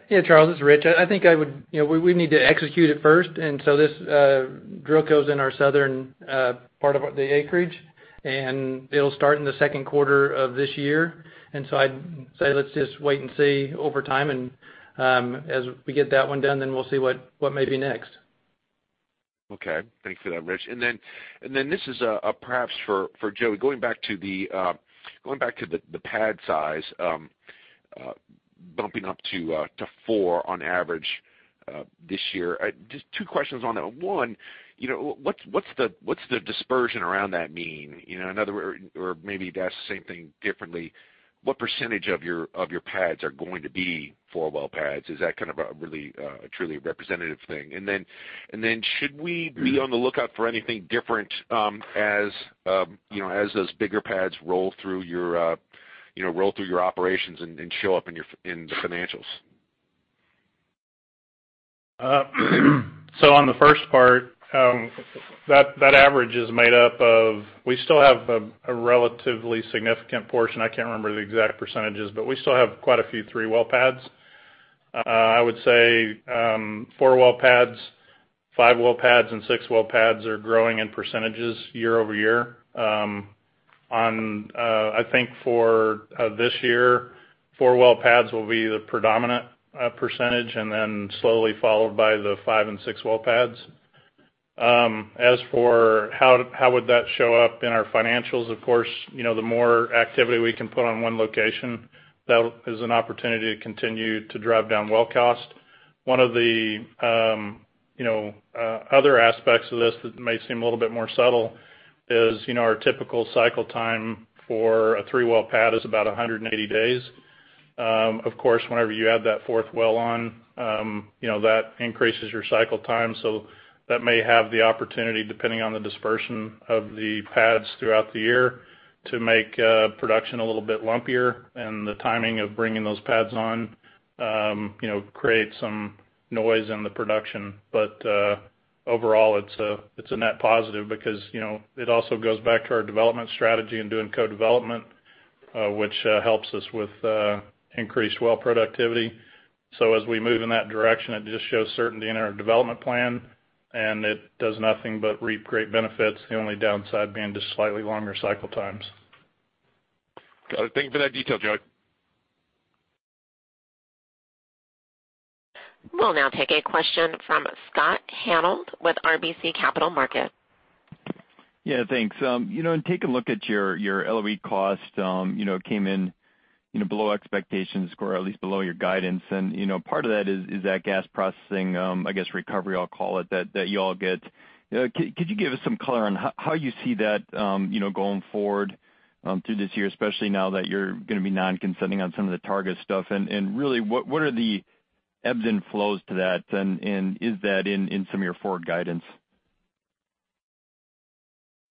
Yeah, Charles, it's Rich. I think we need to execute it first. This DrillCo's in our southern part of the acreage, and it'll start in the second quarter of this year. I'd say let's just wait and see over time, and as we get that one done, then we'll see what may be next. Okay. Thanks for that, Rich. This is perhaps for Joey, going back to the pad size, bumping up to four on average, this year. Just two questions on that. One, what's the dispersion around that mean? In other words, or maybe to ask the same thing differently, what percentage of your pads are going to be four-well pads? Is that kind of a truly representative thing? Should we be on the lookout for anything different as those bigger pads roll through your operations and show up in the financials? On the first part, that average is made up of, we still have a relatively significant portion. I can't remember the exact percentages, but we still have quite a few three-well pads. I would say four-well pads, five-well pads, and six-well pads are growing in percentages year-over-year. I think for this year, four-well pads will be the predominant percentage and then slowly followed by the five and six-well pads. As for how would that show up in our financials, of course, the more activity we can put on one location, that is an opportunity to continue to drive down well cost. One of the other aspects of this that may seem a little bit more subtle is our typical cycle time for a three-well pad is about 180 days. Of course, whenever you add that fourth well on, that increases your cycle time. That may have the opportunity, depending on the dispersion of the pads throughout the year, to make production a little bit lumpier and the timing of bringing those pads on create some noise in the production. Overall, it's a net positive because it also goes back to our development strategy and doing co-development, which helps us with increased well productivity. As we move in that direction, it just shows certainty in our development plan, and it does nothing but reap great benefits, the only downside being just slightly longer cycle times. Got it. Thank you for that detail, Joey. We'll now take a question from Scott Hanold with RBC Capital Markets. Yeah, thanks. In taking a look at your LOE cost, it came in below expectations or at least below your guidance. Part of that is that gas processing, I guess, recovery I'll call it that you all get. Could you give us some color on how you see that going forward through this year, especially now that you're going to be non-consenting on some of the Targa stuff? Really, what are the ebbs and flows to that, and is that in some of your forward guidance?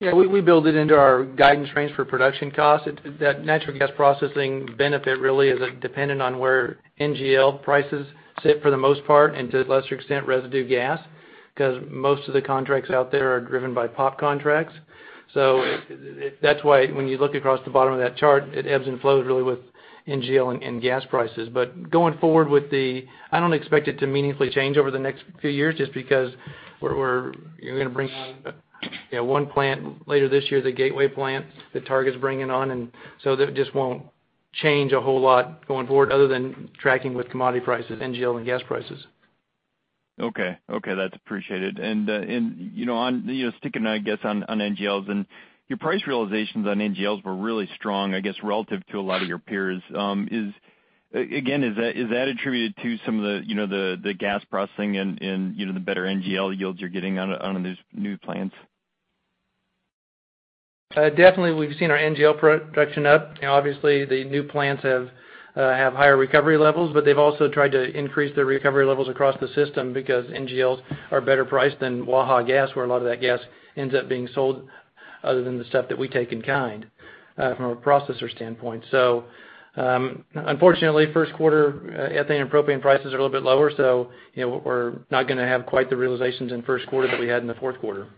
Yeah. We build it into our guidance range for production cost. That natural gas processing benefit really is dependent on where NGL prices sit for the most part, and to a lesser extent, residue gas, because most of the contracts out there are driven by POP contracts. That's why when you look across the bottom of that chart, it ebbs and flows really with NGL and gas prices. Going forward, I don't expect it to meaningfully change over the next few years just because we're going to bring on one plant later this year, the Gateway Plant that Targa's bringing on. That just won't change a whole lot going forward other than tracking with commodity prices, NGL, and gas prices. Okay. That's appreciated. Sticking, I guess, on NGLs, and your price realizations on NGLs were really strong, I guess, relative to a lot of your peers. Again, is that attributed to some of the gas processing and the better NGL yields you're getting out of these new plants? We've seen our NGL production up. The new plants have higher recovery levels, but they've also tried to increase their recovery levels across the system because NGLs are better priced than Waha gas, where a lot of that gas ends up being sold, other than the stuff that we take in kind from a processor standpoint. Unfortunately, first quarter ethane and propane prices are a little bit lower, so we're not going to have quite the realizations in first quarter that we had in the fourth quarter.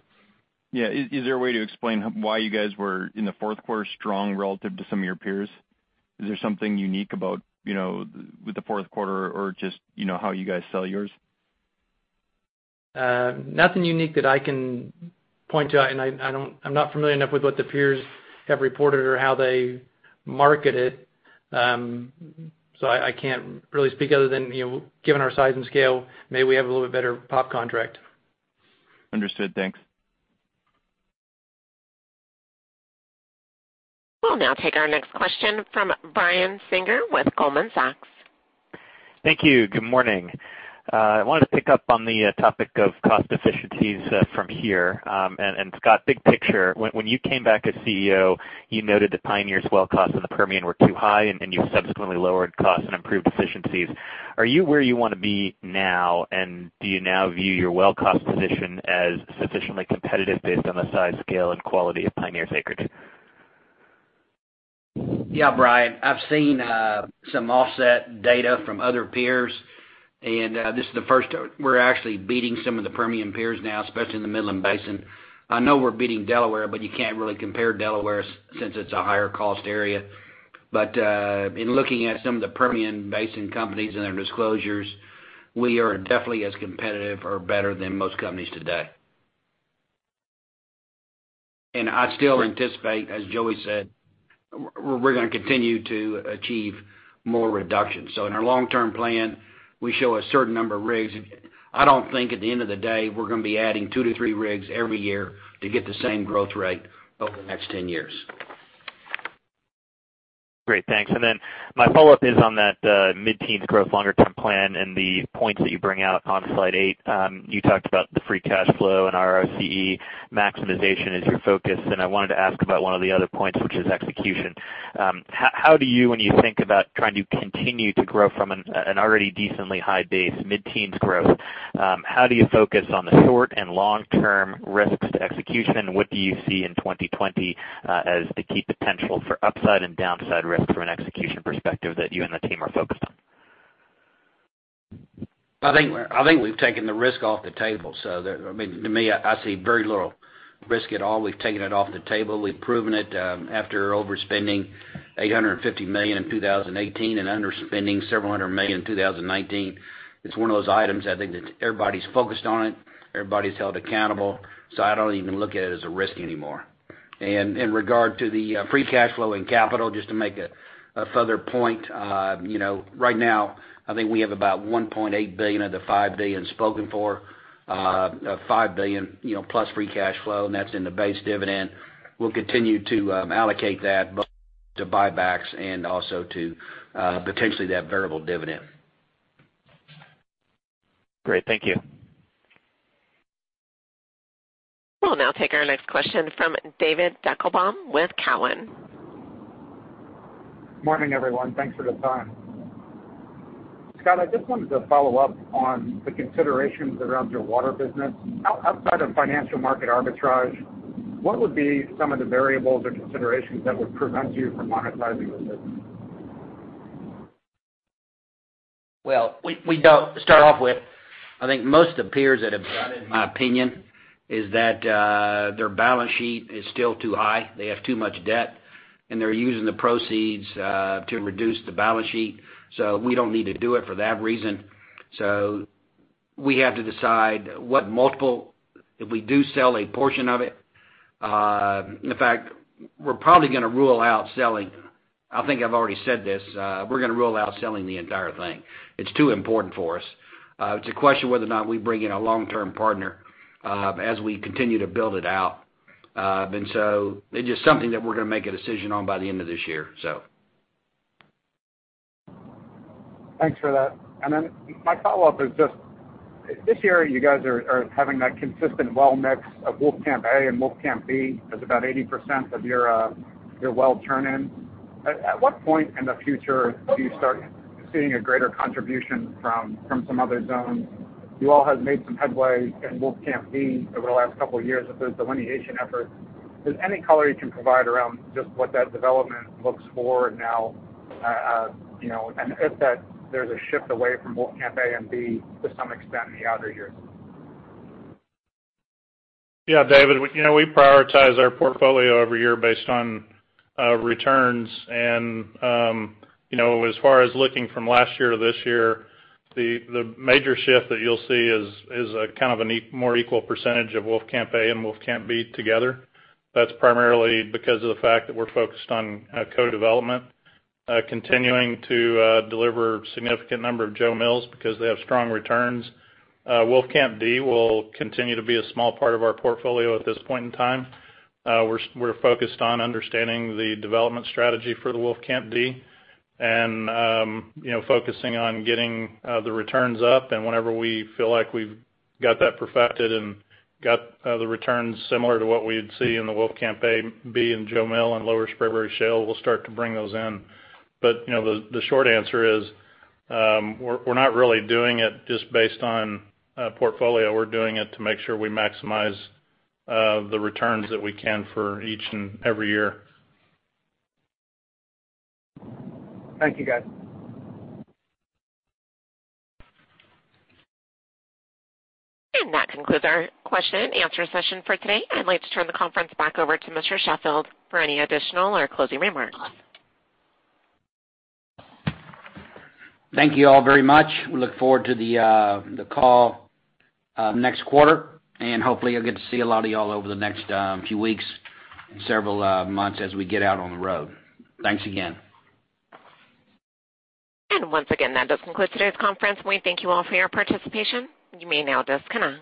Yeah. Is there a way to explain why you guys were, in the fourth quarter, strong relative to some of your peers? Is there something unique about the fourth quarter or just how you guys sell yours? Nothing unique that I can point to. I'm not familiar enough with what the peers have reported or how they market it. I can't really speak, other than given our size and scale, maybe we have a little bit better POP contract. Understood. Thanks. We'll now take our next question from Brian Singer with Goldman Sachs. Thank you. Good morning. I wanted to pick up on the topic of cost efficiencies from here. Scott, big picture, when you came back as CEO, you noted that Pioneer's well costs in the Permian were too high, and you subsequently lowered costs and improved efficiencies. Are you where you want to be now, and do you now view your well cost position as sufficiently competitive based on the size, scale, and quality of Pioneer's acreage? Yeah, Brian. I've seen some offset data from other peers, we're actually beating some of the Permian peers now, especially in the Midland Basin. I know we're beating Delaware, you can't really compare Delaware since it's a higher cost area. In looking at some of the Permian Basin companies and their disclosures, we are definitely as competitive or better than most companies today. I still anticipate, as Joey said, we're going to continue to achieve more reductions. In our long-term plan, we show a certain number of rigs. I don't think at the end of the day, we're going to be adding two to three rigs every year to get the same growth rate over the next 10 years. Great. Thanks. Then my follow-up is on that mid-teens growth longer-term plan and the points that you bring out on Slide eight. You talked about the free cash flow and ROCE maximization as your focus. I wanted to ask about one of the other points, which is execution. When you think about trying to continue to grow from an already decently high base, mid-teens growth, how do you focus on the short and long-term risks to execution? What do you see in 2020 as the key potential for upside and downside risk from an execution perspective that you and the team are focused on? I think we've taken the risk off the table. To me, I see very little risk at all. We've taken it off the table. We've proven it after overspending $850 million in 2018 and underspending several hundred million in 2019. It's one of those items, I think, that everybody's focused on it. Everybody's held accountable. I don't even look at it as a risk anymore. In regard to the free cash flow and capital, just to make a further point, right now, I think we have about $1.8 billion of the $5 billion spoken for, $5 billion+ free cash flow, and that's in the base dividend. We'll continue to allocate that both to buybacks and also to potentially that variable dividend. Great. Thank you. We'll now take our next question from David Deckelbaum with Cowen. Morning, everyone. Thanks for the time. Scott, I just wanted to follow-up on the considerations around your water business. Outside of financial market arbitrage, what would be some of the variables or considerations that would prevent you from monetizing the business? We don't start off with, I think most of the peers that have done it, in my opinion, is that their balance sheet is still too high. They have too much debt, and they're using the proceeds to reduce the balance sheet. We don't need to do it for that reason. We have to decide what multiple, if we do sell a portion of it. In fact, we're probably going to rule out selling. I think I've already said this, we're going to rule out selling the entire thing. It's too important for us. It's a question whether or not we bring in a long-term partner as we continue to build it out. It's just something that we're going to make a decision on by the end of this year. Thanks for that. My follow-up is just, this year you guys are having that consistent well mix of Wolfcamp A and Wolfcamp B as about 80% of your well turn-in. At what point in the future do you start seeing a greater contribution from some other zones? You all have made some headway in Wolfcamp B over the last couple of years with this delineation effort. Is there any color you can provide around just what that development looks for now? If there's a shift away from Wolfcamp A and B to some extent in the outer years? Yeah, David, we prioritize our portfolio every year based on returns. As far as looking from last year to this year, the major shift that you'll see is a more equal percent of Wolfcamp A and Wolfcamp B together. That's primarily because of the fact that we're focused on co-development, continuing to deliver significant number of Jo Mill because they have strong returns. Wolfcamp D will continue to be a small part of our portfolio at this point in time. We're focused on understanding the development strategy for the Wolfcamp D and focusing on getting the returns up, and whenever we feel like we've got that perfected and got the returns similar to what we'd see in the Wolfcamp A, B in Jo Mill and Lower Spraberry Shale, we'll start to bring those in. The short answer is, we're not really doing it just based on portfolio. We're doing it to make sure we maximize the returns that we can for each and every year. Thank you, guys. That concludes our question-and-answer session for today. I'd like to turn the conference back over to Mr. Sheffield for any additional or closing remarks. Thank you all very much. We look forward to the call next quarter. Hopefully I'll get to see a lot of you all over the next few weeks and several months as we get out on the road. Thanks again. Once again, that does conclude today's conference. We thank you all for your participation. You may now disconnect.